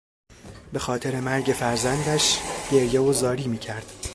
به خاطر مرگ فرزندش گریه و زاری میکرد.